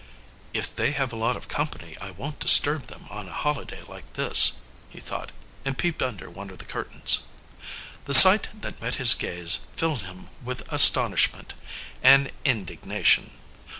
"If they have a lot of company I won't disturb them on a holiday like this," he thought, and peeped under one of the curtains. The sight that met his gaze filled him with astonishment and indignation.